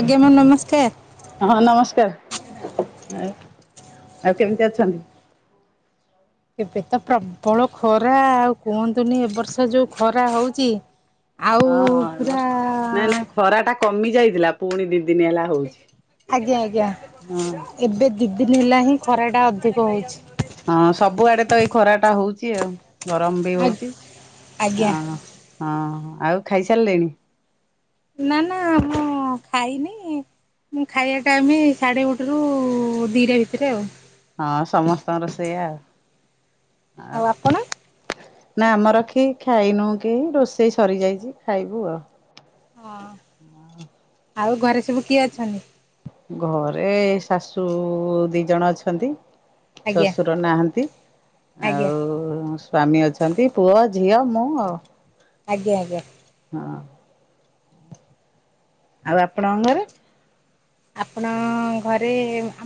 ଆଜ୍ଞା ମାମ ନମସ୍କାର ହଁ ନମସ୍କାର ଆ ଆଉ କେମିତି ଅଛନ୍ତି? ଏବେ ତ ପ୍ରବଳ ଖରା ଆଉ କୁହନ୍ତୁନି ଏ ବର୍ଷ ଯୋଉ ଖରା ହଉଛି ଆଉ ହଁଁ ଅଁ ପୁରା ନାଇଁ ନାଇଁ ଖରା ଟା କମି ଯାଇଥିଲା ପୁଣି ଦି ଦିନ ହେଲା ହଉଛି ଆଜ୍ଞା ଆଜ୍ଞା ହଁ ଏବେ ଦି ଦିନ ହେଲା ହିଁ ଖରା ଟା ଅଧିକ ହଉଛି ହଁ ସବୁଆଡେ ତ ଏଇ ଖରା ଟା ହଉଛି ଆଉ ଗରମ ବି ଆ ହଉଛି ଆଜ୍ଞା ହଁ ହଁ ଆଉ ଖାଇସାରିଲେଣି? ନା ନା ମୁଁ ଖାଇନି ମୁଁ ଖାଇବା ଟାଇମ ସାଢ଼େ ଗୋଟେ ରୁ ଦିଟା ଭିତରେ ଆଉ ହଁ ସମସ୍ତଙ୍କର ସେଇୟା ଆଉ ଆଉ ନା ଆମର କେହି ଖାଇନୁ କେହି ରୋଷେଇ ସରିଯାଇଛି ଖାଇବୁ ଆଉ ହଁ ଆଉ ଘରେ ସବୁ କିଏ ଅଛନ୍ତି? ଘରେ ଶାଶୁ ଦି ଜଣ ଅଛନ୍ତି ଆଜ୍ଞା ଶ୍ୱଶୁର ନାହାନ୍ତି ଆଜ୍ଞା ଆଉ ସ୍ଵାମୀ ଅଛନ୍ତି ପୁଅ ଝିଅ ମୁଁ ଆଉ। ଆଜ୍ଞା ଆଜ୍ଞା ହଁ ଆଉ ଆପଣଙ୍କ ଘରେ? ଆପଣ ଘରେ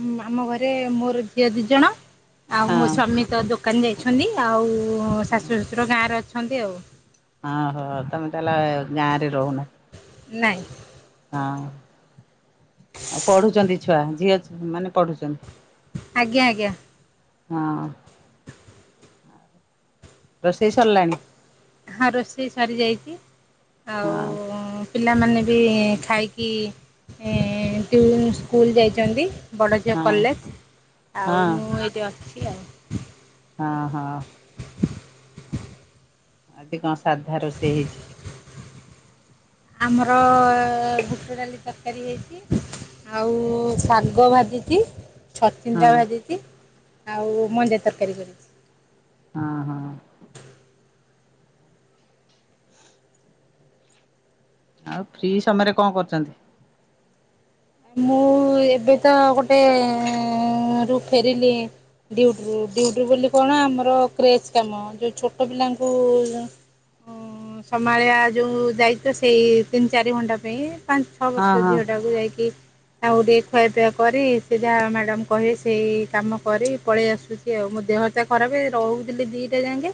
ଆମ ଆମ ଘରେ ମୋର ଝିଅ ଦି ଜଣ ଆଉ ମୋ ହଁ ସ୍ଵାମୀ ତ ଦୋକାନ ଯାଇଛନ୍ତି। ଆଉ ଶାଶୁର ଶ୍ୱଶୁର ଗାଁରେ ଅଛନ୍ତି ଆଉ। ଓହୋ ତମେ ତାହେଲେ ଗାଁ ରେ ରହୁନ? ନାଇଁ। ହଁ ଆଉ ପଢୁଛନ୍ତି ଛୁଆ ଝିଅ ମାନେ ପଢୁଛନ୍ତି? ଆଜ୍ଞା ଆଜ୍ଞା। ହଁ। ରୋଷେଇ ସରିଲାଣି? ହଁ ରୋଷେଇ ସରିଯାଇଛି। ହଁ ଆଉ ପିଲାମାନେ ବି ଖାଇକି ଟି ସ୍କୁଲ ଯାଇଛନ୍ତି। ବଡ଼ଝିଅ ହଁ କଲେଜ ହଁ ଆଉ ମୁଁ ଏଇଠି ଅଛି ଆଉ। ହଁ ହଁ। ଆଜି କଣ ସାଧା ରୋଷେଇ ହେଇଛି? ଆମର ବୁଟଡାଲି ତରକାରୀ ହେଇଛି। ଆଉ ଶାଗ ଭାଜିଚି। ହଁ ଛଚିନ୍ଦ୍ରା ଭାଜିଚି ଆଉ ମଞ୍ଜା ତରକାରୀ କରିଚି। ହଁ ହଁ। ଆଉ ଫ୍ରି ସମୟରେ କଣ କରୁଛନ୍ତି। ମୁଁ ଏବେ ତ ଗୋଟେ ରୁ ଫେରିଲି। ଡିଉଟିରୁ ଡ଼ିଉଟି ବୋଲି କଣ ଆମର କ୍ରେଜ କାମ ଯୋଉ ଛୋଟ ପିଲାଙ୍କୁ ହ। ଅ ସମ୍ଭାଳିବା ଯେଉଁ ଦାୟିତ୍ୱ ସେଇ ତିନି ଚାରି ଘଣ୍ଟା ପାଇଁ। ପାଞ୍ଚ ଛଅ ହଁ ବର୍ଷ ହଁ ଝିଅଟାକୁ ଯାଇକି ତାଙ୍କୁ ଟିକେ ଖୁଆପିଆ କରି ସେ ଯାହା ମ୍ୟାଡାମ କହୀବେ ସେଇ କାମ କରି ପଳେଇ ଆସୁଚୁ। ଆଉ ମୋ ଦେହଟା ଖରାପ ରହୁଥିଲି ଦିଟା ଯାଙ୍କେ।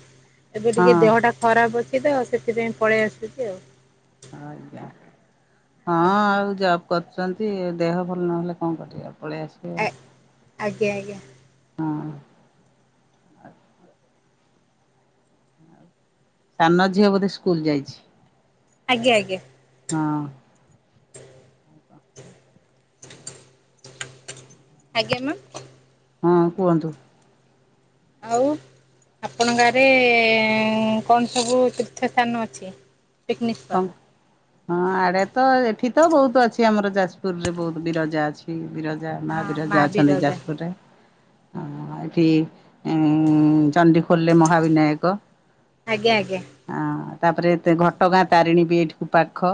ଏବେ ଟିକେ ହଁ। ଦେହଟା ଖରାପ ଅଛି ତ ସେଥିପାଇଁ ପଳେଇ ଆସୁଛି ଆଉ। ଆ୍ଞା ହଁ ଆଉ ଯ କରୁଛନ୍ତି ଦେହ ଭଲ ନହେଲେ କଣ କରିବେ ପଳେଇ ଆସିବେ। ଆ ଆଉ। ଆଜ୍ଞା ଆଜ୍ଞା। ହଁ ସାନ ଝିଅ ବୋଧେ ସ୍କୁଲ ଯାଇଛି। ଆଜ୍ଞ ଆଜ୍ଞା। ହଁ। ଆଜ୍ଞା ମାମ? ହଁ କୁହନ୍ତୁ? ଆଉ। ଆପଣ ଗାଁରେ କଣ ସବୁ ତୀର୍ଥସ୍ଥାନ ଅଛି ପିକନିକ କଣ ସ୍ପଟ୍? ହଁ ଆଡେ ତ ଏଠି ତ ବହୁତ ଅଛି ଆମର ଯାଜପୁର ରେ ବହୁତ ବିରଜା ଅଛି। ବି ବିରଜା ମା ବିରଜା ଅଛନ୍ତି ଯାଜପୁରରେ। ହଁ ଏଠି ଚଣ୍ଡୀ ଖୋଲିଲେ ମହାବିନାୟକ ଆଜ୍ଞା ଆଜ୍ଞା ତାପରେ ଘ ଟଗାଁ ତାରିଣୀ ବି ଏଠିକୁ ପାଖ।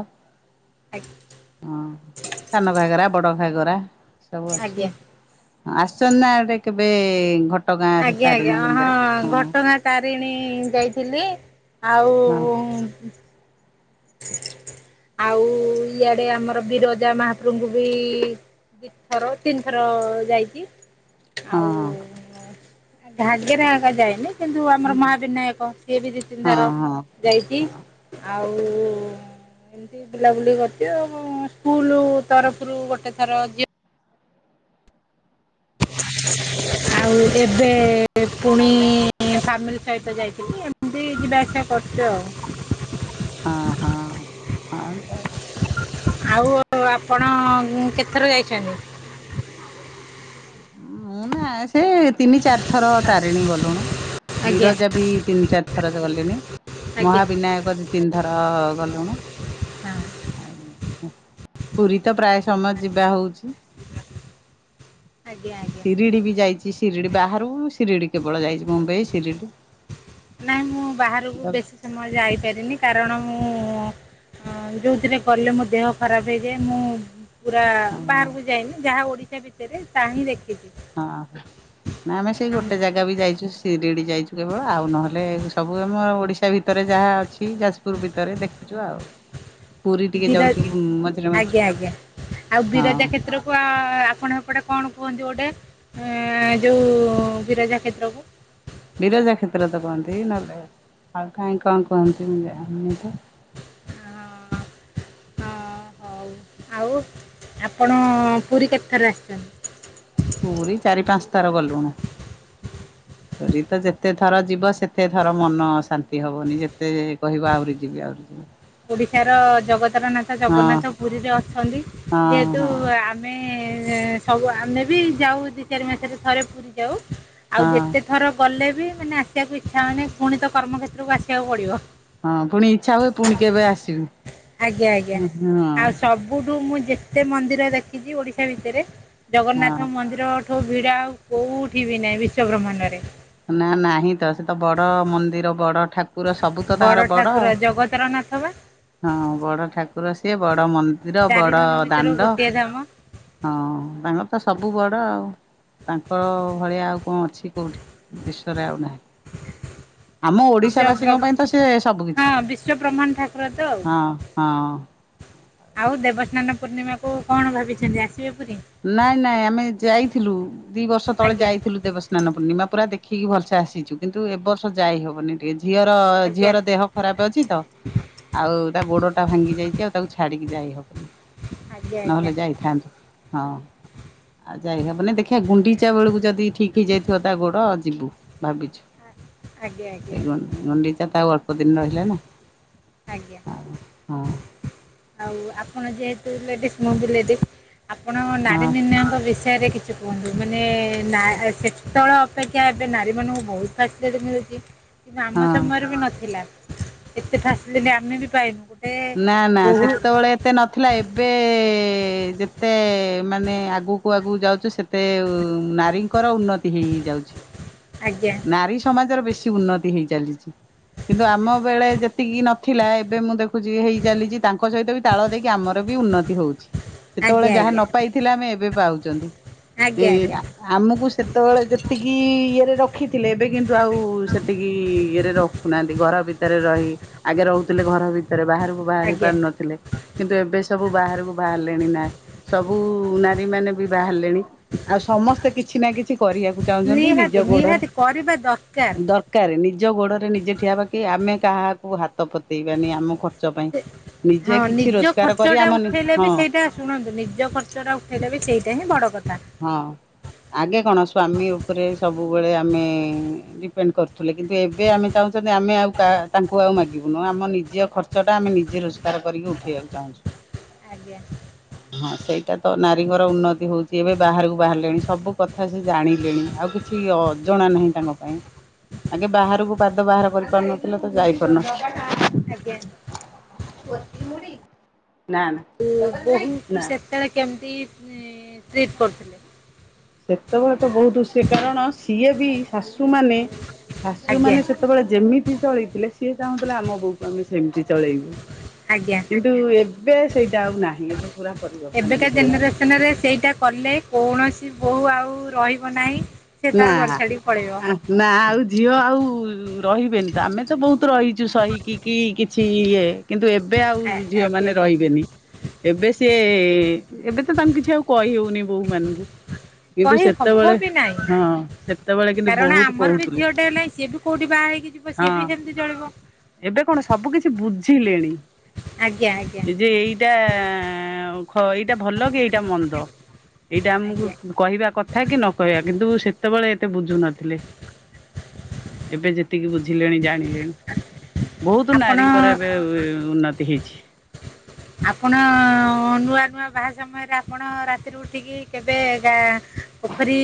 ଆଜ୍ଞା। ହଁ ସାନ ଘାଗରା ବଡ ଘାଗରା ସବୁ ଅଛି। ଆଜ୍ଞା। ଆସନ୍ ନା ଆଡେ କେବେ ଘଟ ଆଜ୍ଞା ଆଜ୍ଞା ହଁ ଘଟ୍ ଘଟଗାଁ ତାରିଣୀ ଯାଇଥିଲି ଆଉ ହଁ ଆଉ ଇଆଡେ ଆମର ବିରଜା ମହାପ୍ରଭଙ୍କୁ ବି ଦିଥର ତିନି ଥର ଯାଇଛି। ହଁ ଆଉ ଘାଗେରା ଅବା ଯାଇନି। କିନ୍ତୁ ଆମର ହଁ ମାହା ବିିନାୟକ ସିଏ ବି ଦୁଇ ତିନିଥର ହଁ ଯାଇଚି ଆଉ। [inaudible] ଏମତି ବୁଲାବୁଲି କରିଚି ଆଉ ସ୍କୁଲୁ ତରଫରୁ ଗୋଟେ ଥର ଝିଅ ଆଉ ଏବେ ପୁଣି ଫାମିଲି ସହିତ ଯାଇଥିଲି। ଏମିତି ଯିବା ଆସିବା କରୁଚୁ ଆଉ। ହଁ ହଁ ହ ତାଆ ଆଉ ଆପଣ କେତେ ଥର ଯାଇଛନ୍ତି? ମୁଁଁ ନା ସେ ତେ ତିନି ଚାରି ଥର ତାରିଣୀ ଗଲୁଣୁ ଆଜ୍ଞା ବିରଜା ବି ତିନି ଚାରି ଥର ଗଲିଣି। ଆଜ୍ଞା ମହାବିନାୟକ ଦିଇ ତିନିଥର ଗଲୁଣି। ହଁ ଆଉ ପୁରୀ ତ ପ୍ରାୟ ସମୟ ଯିବା ହଉଚି। ଆଜ୍ଞା ଆଜ୍ଞା ଶିରିଡି ବି ଯାଇଚି। ଶିରିଡି ବାହାରୁ ଶିରିଡି କେବଳ ଯାଇଚି ମୁମବାଇ ଶିରିଡି। ନାଇଁ ମୁଁ ବାହାରକୁ ହଁ ବେଶୀ ସମୟ ଯାଇପାରିନି କାରଣ ମୁଁ ହଁ ଯୋଉଥିରେ ଗଲେ ମୋ ଦେହ ଖରାପ ହେଇଯାଏ। ମୁଁ ପୁରା ହଁ। ବାହାରକୁ ଯାଇନି। ଯାହା ଓଡିଶା ଭିତରେ ତାହା ହିଁ ଦେଖିଚି। ହଁ। ନା ଆମେ ସେଇ ଗୋଟେ ଜାଗା ବି ଯାଇଛୁ ସିରିଡି ଯାଇଚୁ କେବଳ ଆଉ ନହେଲେ ସବୁ ଆମ ଓଡିଶା ଭିତରେ। ଭିତରେ ଯାହା ଅଛି ଯାଜପୁର ଭିତରେ ଦେଖୁଚୁ ଆଉ। ପୁରୀ ଟିକେ ବିର ଯାଉଛୁ ମଝିରେ ମଝିରେ ଆଜ୍ଞା ଆଜ୍ଞା ଆଉ ବିରଜା ହଁ। କ୍ଷେତ୍ର କୁଆ ଆପଣ ଏପଟେ କଣ କୁହନ୍ତୁ ଗୋଟେ ଯଉଁ ବିରଜା କ୍ଷେତ୍ରକୁ? ବିରଜା କ୍ଷେତ୍ର ତ କୁହନ୍ତି ନହେଲେ ଆଉ କାହିଁ କଣ କୁହନ୍ତି ମୁଁ ଜାନି ନି ତ। ହଉ, ଆଉ ଆପଣ ପୁରୀ କେତେଥର ଆସିଛନ୍ତି? ପୁରୀ ଚାରି ପାଞ୍ଚ ଥର ଗଲୁଣୁ। ପୁରୀ ତ ଯେତେ ଥର ଯିବ ସେତେ ଥର ମନ ଅ ଶାନ୍ତି ହବନି, ଯେତେ କହିବ ଆହୁରି ଯିବି, ଆହୁରି ଯିବି। [inaudible] ଓଡିଶାର ଜଗତର ନାଥ ହଁ ଜଗନ୍ନାଥ ପୁରୀରେ ଅଛନ୍ତି। ହଁ ଯେହେତୁ ହଁ ଆମେ ସବୁ, ଆମେ ବି ଯାଉ ଦି ଚାରି ମାସରେ ଥରେ ପୁରୀ ଯାଉ। ଆଉ ହଁ ଯେତେ ଥର ଗଲେ ବି ମାନେ ଆସିବାକୁ ଇଚ୍ଛା ହଉନି। ପୁଣି ତ କର୍ମକ୍ଷେତ୍ରକୁ ଆସିବାକୁ ପଡିବ। ହଁ, ପୁଣି ଇଚ୍ଛା ହୁଏ ପୁଣି କେବେ ଆସିବୁ? ଆଜ୍ଞା, ଆଜ୍ଞା ହଁ ଆଉ ସବୁଠୁ ମୁଁ ଯେତେ ମନ୍ଦିର ଦେଖିଚି ଓଡିଶା ଭିତରେ ଜଗନ୍ନାଥ ହଁ। ମନ୍ଦିରଠୁ ଭିଡ଼ ଆଉ କୋଉଠି ବି ନାହିଁ ବିଶ୍ୱ ବ୍ରହ୍ମାଣ୍ଡରେ। ନା ନାହିଁ ତ ସେ ତ ବଡ ମନ୍ଦିର ବଡ ଠାକୁ ର ସବୁ ତ ବଡ଼ ତାଙ୍କର ବଡ ଠାକୁର ଆଉ। ଜଗତର ନାଥ ବା ହଁ, ବଡ ଠାକୁର ସିଏ, ବଡ ମନ୍ଦିର, ଚାରି ବଡ ଧାମ ଭିତରୁ ଦାଣ୍ଡ। ଗୋଟିଏ ଧାମ ହଁ, ତାଙ୍କର ତ ସବୁ ବଡ଼ ଆଉ, ତାଙ୍କ ଭଳିଆ ଆଉ କଣ ଅଛି କଉଠି। ବିଶ୍ୱରେ ଆଉ ନାହିଁ। ଆମ ଓଡିଶା ବିଶ୍ୱ ବାସୀଙ୍କ ବ୍ର- ପାଇଁ ତ ସେ ସବୁ କିିଛି। ହଁ ବିଶ୍ୱ ବ୍ରହ୍ମାଣ୍ଡ ଠାକୁର ତ ଆଉ ହଁ, ହଁ। ଆଉ ଦେବସ୍ନାନ ପୂର୍ଣ୍ଣିମାକୁ କଣ ଭାବିଚନ୍ତି ଆସିବେ ପୁରୀ? ନାଇଁ, ନାଇଁ ଆମେ ଯାଇଥିଲୁ ଦି ବର୍ଷ ତଳେ ଆଜ୍ଞା ଯାଇଥିଲୁ ଦେବସ ସ୍ନାନ ପୂର୍ଣ୍ଣିମା ପୁରା ଦେଖିକି ଭଲସେ ଆସିଚୁ କିନ୍ତୁ ଏ ବର୍ଷ ଯାଇ ହବନି ଟିକେ ଝିଅର ଆଜ୍ଞା ଝିଅର ଦେହ ଖରାପ ଅଛି ତ ଆଉ ତା ଗୋଡ ଟା ଭାଙ୍ଗି ଯାଇଚି ଆଉ ତାକୁ ଛାଡିକି ଯାଇ ହବନି। ଆଜ୍ଞା ଆଜ୍ଞା ନହେଲେ ଯାଇଥାନ୍ତୁ। ହଁ। ଆଉ ଯାଇହବନି, ଦେଖିବା ଗୁଣ୍ଡିଚା ବେଳକୁ ଯଦି ଠିକ ହେଇଯାଇଥିବ ତା ଗୋଡ ଯିବୁ ଭାବିଚୁ। ଆ- ଆଜ୍ଞା ଆଜ୍ଞା ସେ ଗୁ ଗୁଣ୍ଡିଚା ତ ଆଉ ଅଳ୍ପ ଦିନ ରହିଲା ନା। ଆଜ୍ଞା, ହଁ ଆଉ ଆପଣ ଯେହେତୁ ଲେଡିସ ମୁଁ ବି ଲେଡିସ। ଆପଣ ନାରୀ ହଁ ନିର୍ଣ୍ଣୟକ ବେସି ରେ କିଛି କୁହନ୍ତୁ। ମାନେ ନା ସେତେବେଳେ ଅପେକ୍ଷା ଏବେ ନାରୀ ମାନଙ୍କୁ ବହୁତ ଫାସିଲିଟି ମିଳୁ ଚି କିନ୍ତୁ ଆମ ହଁ ସମୟରେ ବି ନଥିଲା। ଏତେ ଫାସିଲିଟି ଆମେ ବି ପାଇନୁ। ଗୋଟେ ନା, ନା ବହୁ ସେତେବେଳେ ଏତେ ନଥିଲା। ଏବେ ଯେତେ ମାନେ ଆଗକୁକ ଆଗକୁ ଯାଉଚୁ ସେ ତେ‌ ଉ ନାରୀଙ୍କର ଉନ୍ନତି ହେଇ ହେଇ ଯାଉଛି। ଆଜ୍ଞା। ନାରୀ ସମାଜର ବେଶୀ ଉନ୍ନତି ହେଇ ଚାଲିଚି। କିନ୍ତୁ ଆମ ବେଳେ ଯେତିକି ନଥିଲା ଏବେ ମୁଁ ଦେ ଖୁଚି ହେଇ ଚାଲିଚି ତାଙ୍କ ସହିତ ବି ତାଳ ଦେଇକି ଆମର ବି ଉନ୍ନତି ହଉଛି। ସେତୋଳେ ଆଜ୍ଞା ଯାହା ନ ଆଜ୍ଞା ପାଇ ଥିଲେ ଆମେ ଏବେ ପାଉଚନ୍ତି ଏ ଆଜ୍ଞା ଆଜ୍ଞା ଆ ଆମୁକୁ ସେତୋଳେ ଯେତିକି ଇଏରେ ରଖିଥିଲେ ଏବେ କିନ୍ତୁ ଆଉ ସେତିକି ଇଏରେ ର ଖୁନାହାନ୍ତି ଘର ଭିତରେ ରହି ଆଗେ ରହୁଥୁଲେ ଘର ଭିତରେ ବାହାରୁକୁ ବାହାରି ଆଜ୍ଞା ପାରୁନଥୁଲେ। କିନ୍ତୁ, ଏବେ ସବୁ ବାହାରୁକୁ ବାହାରିଲେଣି ନା ସବୁ ନାରୀ ମାନେ ବି ବାହାରିଲେଣି। ଆଉ ସମସ୍ତେ କିଛି ନା କିଛି କରିବାକୁ ଚାହୁଁଚନ୍ତି। ନିଜ ନିହାତି ଗୋଡ଼ରେ ନିହାତି କରିବା ଦରକାର ଦର୍ କାରେ ନିଜ ଗୋଡ଼ରେ ନିଜେ ଠିଆହବା କି ଆମେ କାହାକୁ ହାତ ପତେଇବାନି ଆମୁ ସେ ହଁ ନିଜ କରି ଖର୍ଚ୍ଚଟା ଆମ ଉଠେଇଲେ ବି ହଁ ସେଇଟା ଶୁଣନ୍ତୁ, ନିଜ ଖର୍ଚ୍ଚଟା ଉଠାଇଲେ ବି ସେଇଟା ହିଁ ବଡ଼ କଥା। ହଁ, ଆଗେ କଣ ସ୍ଵାମୀ ଓପରେ ସବୁବେଳେ ଆମେ ଡିପେଣ୍ଡ୍ କରୁଥୁଲେ କିନ୍ତୁ ଏବେ ଆମେ ଚାହୁଁଛନ୍ତି ଆମେ ଆଉ କାହା ତାଙ୍କୁ ଆଉ ମାଗିବୁନି ଆମ ନିଜ ଖର୍ ଚଟା ଆମେ ନିଜେ ରୋଜଗାର କରିକି ଉଠେଇବାକୁ ଚାହୁଁଚୁ। ଆଜ୍ଞା ହଁ, ସେଇଟା ତ ନାରୀଙ୍କର ଉନ୍ନତି ହୋଉ ତି ଏବେ ବାହାରୁକୁ ବାହାରିଲେଣି, ସବୁ କଥା ସେ ଜାଣିଲେଣି ଆଉ କିଛି ଅଜଣା ନୁହେଁ ତାଙ୍କ ପାଇଁ। ଆଗେ ବାହାରୁକୁ ପାଦ ବାହାର କରିପାରୁନଥୁଲେ ତ ଯାଇ ପାରୁନଥୁଲେ। ଆଜ୍ଞା। ନାଁ ନାଁ। ଉ ବୋହୂକୁ ସେତେଳେ କେମିତି ଇଁ ଟ୍ରିଟ୍ କରୁଥୁଲେ? ସେତେବେଳେ ତ ବୋହୁତ ସିଏ କଣ ସିଏ ବି ଶାଶୁମାନେ ଆଜ୍ଞା ଶାଶୁମାନେ ସେ ଏବେ ଯେମିତି ଚଳେଇଥିଲେ ସିଏ ଚାହୁଁଥୁଲେ ଆମ ବୋହୂକୁ ଆମେ ସେମିତି ଚଳେଇବୁ। ଆଜ୍ଞା। କିନ୍ତୁ ଏବେ ସେଇଟା ଆଉ ନାହିଁ ଏବେ ପୁରା ପରିବର୍ତ୍ତନ ଏବେକା ହେଇସାରିଲାଣି ଜେନେରେସନ୍ ରେ ସେଇଟା କଲେ କୌଣସି ବୋହୂ ଆଉ ରହିବ ନାହିଁ। ସେ ତାର ନାଁ ଘର ଛାଡିକି ପଳେଇବ ଆଁ ନାଁ ଆଉ ଝିଅ ଆଉ ରହିବେନି ତ ଆମେ ତ ବୋହୁତ ରହିଚୁ ସହିକି କି କିଛି ଇଏ କିନ୍ତୁ ଏବେ ଆଉ ଆଜ୍ଞା ଝିଅମାନେ ରହିବେନି। ଏବେ ସିଏ ଏବେ ତ ତାଙ୍କୁ କିଛି ଆଉ କହିହଉନେଇ ବୋହୂମାନୁଙ୍କୁ। କହି ହବ ବି ନାଇଁ। ସେତେବେଳେ କିନ୍ତୁ କାରଣ ବହୁତ ଆମର ବି କହୁଥିଲେ ଝିଅଟେ ହେଲେ ସିଏ ବି କୋଉଠି ବାହା ହେଇକି ଯିବ ସିଏ ହଁ। ବି ସେମିତି ଚଳିବ। ଏବେ କଣ ସବୁ କିଛି ବୁଝିଲେଣି ଆଜ୍ଞା ଆଜ୍ଞା ଏ ଯେ ଏଇଟା ଅଁ ଖ ଏଇଟା ଭଲ କି ଏଇଟା ମନ୍ଦ ଏଇଟା ଆଜ୍ଞା ଆମୁକୁ କହିବା କଥା କି ନ କହିଆ କିନ୍ତୁ ସେତବେଳେ ଏତେ ବୁଝୁ ନଥିଲେ। ଏବେ ଯେତିକି ବୁଝିଲେଣି ଜାଣିଲେଣି। ବୋହୁତ ନାରୀଙ୍କର ଆପଣ ଏବେ ଉନ୍ନତି ହେଇଛି। ଆପଣ ନୂଆ ନୂଆ ବାହା ସମୟରେ ଆପଣ ରାତିରେ ଉଠିକି କେବେ ଗା ପୋଖରୀ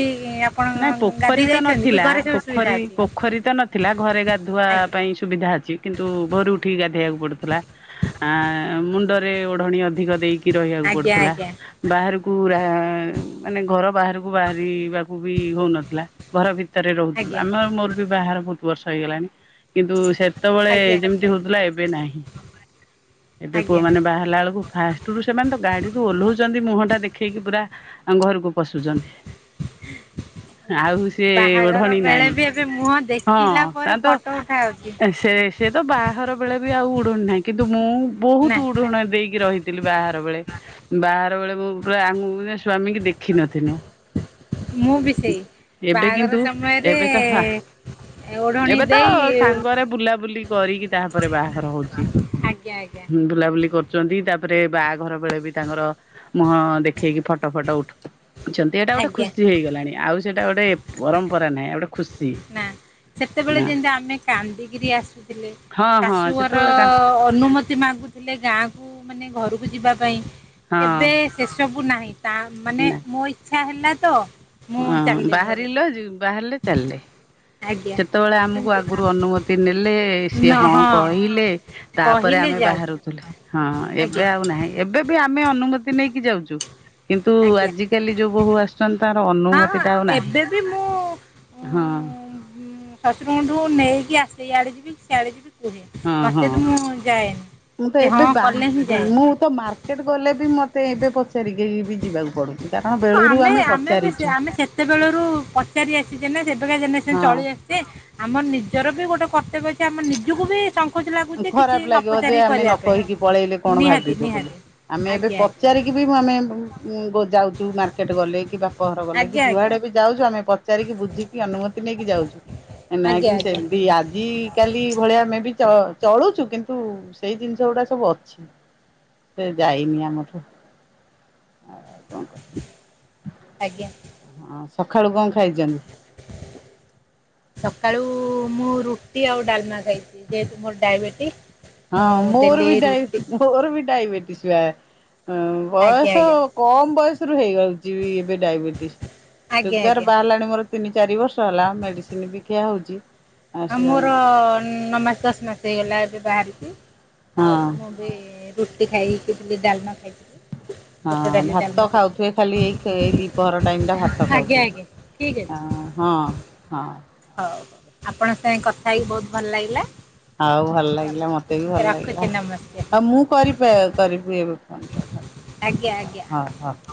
ଆ ନାଁ ପୋଖରୀ ତ ନଥିଲା ସୁବିଧା ପୋଖରୀ ଅଛି? ପୋଖରୀ ତ ନଥିଲା ଘରେ ଗାଧୁଆ ଆଜ୍ଞା ପାଇଁ ସୁବିଧା ଅଛି କିନ୍ତୁ ଭୋରୁ ଉଠିକି ଗାଧେଇବାକୁ ପଡ଼ୁଥୁଲା। ଆ ମୁଣ୍ଡରେ ଓଢ଼ଣିୀ ଅଧିକ ଦେଇ କି ରହିବାକୁ ଆଜ୍ଞା ପଡ଼ୁଥୁଲା ଆଜ୍ଞା ବାହାରୁକୁ ରା ମାନେ ଘର ବାହାରୁକୁ ବାହାରିବା ଉ ବି ହୋଉନଥୁଲା ଘର ଭିତରେ ରହୁଥୁଲୁ ଆଜ୍ଞା ଆମର ମୋର ବି ବାହାହର ଭୋଉତ୍ ବର୍ଷ ହେଇଗଲାଣି। କିନ୍ତୁ ସେତବେଳେ ଆଜ୍ଞା ଯେମତି ହୋଉଥୁଲା ଏବେ ନାହିଁ। ଏବେ ଆଜ୍ଞା। ପୁଅମାନେ ବାହାରିଲା ଅଳୁକୁ ଫାଷ୍ଟରୁ ସେମାନେ ତ ଗାଡ଼ିରୁ ଓହ୍ଲଉଚନ୍ତି ମୁହଁଟା ଦେଖେଇକି ପୁରା ଘରକୁ ପଶୁଚନ୍ତି ଆଉ ତେ ବାହାଘର ଓଢ଼ଣୀ ବେଳେ ନାଇଁ ବି ଏବେ ମୁହଁ ହଁ ଦେଖିଲା ତା ପରେ ତ ଫଟୋ ଉଠା ହଉଛି ଏ ସେ ସେ ତ ବାହର ବେଳେ ବି ଆଉ ଓଢ଼ଣୀ ନାହିଁ କିନ୍ତୁ ମୁଁ ନା ବୋହୁତ ଓଡ଼ଣା ଦେଇକି ରହିି ତିଲି ବାହର ବେଳେ ବାହର ବେଳେ ମୁଁ ପୁରା ଆମୁ ମନେ ସ୍ଵାମୀ କି ଦେଖିନଥିନୁ। ମୁଁ ବି ସେଇ ଏବେ ବାହାଘର କିନ୍ତୁ ସମୟରେ ଏବେ ତ ହା ଓଢଣୀ ଏବେ ତ ଦେଇ ସାଙ୍ଗରେ ବୁଲାବୁଲି କରିକି ତାପରେ ବାହାଘର ହୋଉଚି। ଆଜ୍ଞ ଆଜ୍ଞା। ବୁଲାବୁଲି କରୁଚନ୍ତି ତାପରେ ବାହା ଘର ବେଳେ ବି ତାଙ୍କର ମୁହଁ ଦେଖେଇକି ଫଟ ଫଟ ଉଠୁ ଛନ୍ତି ଏଇଟା ଗୋଟେ ଆଜ୍ଞା। ଖୁସି ହେଇଗଲାଣି ଆଉ ସେଇଟା ଗୋଟେ ପରମ୍ପରା ନାହିଁ ଆଉ ଗୋଟେ ଖୁସି ନାଁ ସେତେବେଳେ ନା ଯେନ୍ତି ଆମେ କାନ୍ଦିକିରି ଆସିଥିଲେ। ହଁ ହଁ ଶାଶୁଘର ସେତେବେଳେ କା ଅନୁମ ମାଗୁଥିଲେ ଗାଁକୁ ମାନେ ଘରକୁ ଯିବା ପାଇଁ ଏବେ ହଁ ସେସବୁ ନାହିଁ ତା ମାନେ ନା ମୋ ଇଚ୍ଛା ହେଲା ତ ମୁଁ ହଁ ଚାଲିଲି ଘରକୁ ବାହାରିଲ ବାହାରିଲେ ଚାଲିଲେ। ଆଜ୍ଞା। ସେତେବଳେ ଆମୁକୁ କିନ୍ତୁ ଆଗୁରୁ ଅନୁମତି ନେଲେ ସିଏ ହଁ କହିଲେ। ତାପରେ କହିଲେ ଆମେ ଯାଉଥିଲି ବାହାରୁଥିଲେ ହଁ ଆଜ୍ଞା ଏବେ ଆଉ ନାହିଁ। ଏବେ ବି ଆମେ ଅନୁମତି ନେଇକି ଯାଉଚୁ କିନ୍ତୁ ଆଜ୍ଞା ଆଜିକାଲି ଯୋଉ ବୋହୁ ଆସୁ ଛନ୍ତି ତାଙ୍କର ହଁ ହଁ ଅନୁମତିଟା ଆଉ ନାହିଁ ଏବେ ବି ମୁଁ ହଁ। ଶ୍ୱଶୁରଙ୍କ ଠୁ ନେଇକି ଆସେ ଇଆଡେ ଯିବି ସିଆଡେ ଯିବି କୁହେ ହଁ ନଚେତ୍ ହଁ ମୁଁ ଯାଏନି। ମୁଁ ତ ସେ ହଁ ଏବେ ବା କଲେ ହିଁ ଯାଏ। ମୁଁ ତ ମାର୍କେଟ୍ ଗଲେ ବି ମତେ ଏବେ ପ ଚାରିକି ବି ଯିବାକୁ ପଡୁଚି କାରଣ ବେଳୁରୁ ଆମେ ପଚାରିଚୁ। ସତେବେଳରୁ ପଚାରି ଆସିଚେନା ସେବେକା ଯେନେରେସନ୍ ହଁ। ଚଳୀ ଆ ଏ ଆମ ନିଜର ବି ଗୋଟେ କର୍ତ୍ତବ୍ୟ ଅଛି ଆମ ନିଜକୁ ବି ସଂ ଖରାପ୍ ଲାଗିବ ଯେ ଆମେ ନ କହିକି ପଳେଇଲେ କଣ ନିହାତି ଭାବିବେ ବୋଲି ନିହାତି ଆମେ ଏବେ ଆଜ୍ଞା ପଚାରି କି ବୁ ଆମେ ଉଁ ବ ଯାଉଚୁ ମାର୍କେଟ୍ ଗଲେ କି ବାପଘର ଆଜ୍ଞା ଗଲେ କି ଆଜ୍ଞା ଆଜ୍ଞା ଯୁଆଡ଼େ ବି ଯାଉଚୁ ଆମେ ପ ଚାରିକି ବୁଝିକି ଅନୁମତି ନେଇକି ଯାଉଛୁ ଆଜ୍ଞା ନାକି ଆଜ୍ଞା ସେମିତି ଆଜି କାଲି ଭଳିଆ ଆମେ ବି ଚ ଚଳୁଚୁ କିନ୍ତୁ ସେଇ ଜିନ୍ଷ ଗୁଡ଼ା ସବୁ ଅଛି। ସେ ଯାଇନି ଆମଠୁ ଆଉ କଁ କ ଆଜ୍ଞା। ହଁ ସଖାଳୁ କଁ ଖାଇଚନ୍ତି? ସକାଳୁ ମୁଁ ରୁଟି ଆଉ ଡ଼ାଲମା ଖାଇ ଯେହେତୁ ମୋର୍ ଡାଇବେଟିିସ୍। ହଁ ମୋର ବି ଡାଇ ମୋର ବି ଡାଇବେଟିସ୍ ବା ହଁ। ଆଜ୍ଞା ବୟସ ଆଜ୍ଞା କମ୍ ବୟସ ରୁ ହେଇଯାଉଚି ବି ଏବେ ଡାଇବେଟିସ୍। ଆଜ୍ଞା ସୁଗାର୍ ଆଜ୍ଞା ବାହାରିଲାଣି ମୋର ତିନି ଚାରି ବର୍ଷ ହେଲା ମେଡ଼ିସିନ୍ ବି ଖିଆ ହୋଉଚି। ଆମର ନ ମାସ୍ ଦଶ୍ ମାସ ହେଇଗଲା ଏବେ ବାହାରିଚି ଆଉ ହଁ ମୋଁ ରୁଟି ଖାଇକି ବି ଡ଼ାଲମା ଖାଇଥିଲି। ହଁ ବୁଟ ଡାଲି ଭାତ ଡାଲମା ଖାଉଥୁବେ କରିବା। ଖାଲି ଏଇ ଏଇ ଦିପହର ଟାଇମ ଟା ଭାତ ଆଜ୍ଞା ଖାଉଥୁବେ। ଆଜ୍ଞା ଠିକ୍ ଅ ହଁ ହଁ। ହୋଉ ଆପଣଙ୍କ ସାଙ୍ଗେ କଥା ହେଇକି ବୋହୁତ୍ ଭଲ୍ ଲାଗିଲା। ଆଉ ଭଲ ୍ଲାଗିଲା ମତେ ବି ଭଲ୍ ରଖୁଛି ଲାଗିଲା। ନମସ୍କାର ଆଉ ମୁଁ କରି ପା କରିବି ଏବେ ଫୋନ ଟା ଆଜ୍ଞା ଆଜ୍ଞା। ଥାଉ।